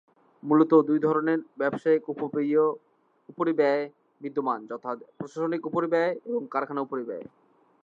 মূলত দুই ধরনের ব্যবসায়িক উপরিব্যয় বিদ্যমান, যথা প্রশাসনিক উপরিব্যয় এবং কারখানা উপরিব্যয়।